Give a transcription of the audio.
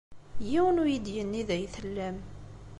Yiwen ur iyi-d-yenni da ay tellam.